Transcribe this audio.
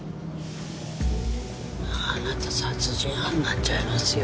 あなた殺人犯になっちゃいますよ。